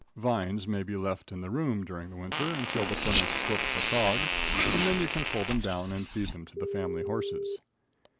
Vines may be left in the room during the winter until the furnace slips a cog and then you can pull them down and feed them to the family horses.